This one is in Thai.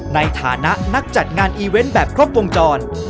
ในฐานะนักจัดงานอีเวนต์แบบครบวงจร